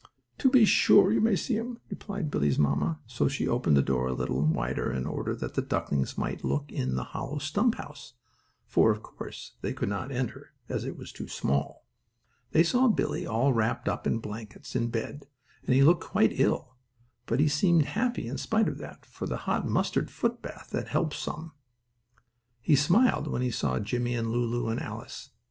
"To be sure, you may see him," replied Billie's mamma; so she opened the door a little wider in order that the ducklings might look in the hollow stumphouse, for of course they could not enter, as it was too small. They saw Billie, all wrapped up in blankets, in bed, and he looked quite ill. But he seemed happy in spite of that, for the hot mustard footbath had helped him some. He smiled when he saw Jimmie and Lulu and Alice.